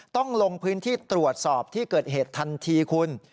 ต้องลงพื้นที่ตรวจสอบที่เกิดเหตุทันทีคุณ